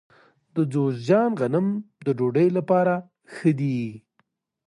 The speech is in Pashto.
د جوزجان غنم د ډوډۍ لپاره ښه دي.